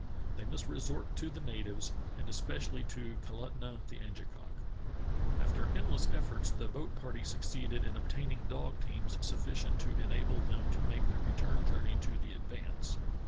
They must resort to the natives, and es pecially to Kalutunah the Angekok. After endless efforts the boat party succeeded in ob taining dog teams sufficient to enable them to make the return journey to the Advance.